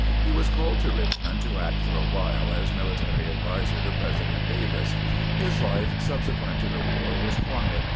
He was called to Richmond to act for a while as military adviser to President Davis. His life subsequent to the war was quiet.